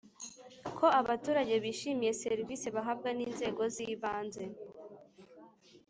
ko abaturage bishimiye serivisi bahabwa n inzego z’ibanze